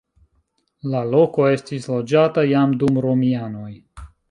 La loko estis loĝata jam dum romianoj.